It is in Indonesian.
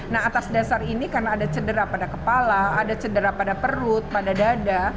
nah atas dasar ini karena ada cedera pada kepala ada cedera pada perut pada dada